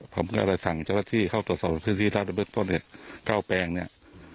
ผมก็เลยสั่งเจ้าหน้าที่เข้าตรวจสอบพื้นที่ตรวจสอบ๙แปลงเนี่ย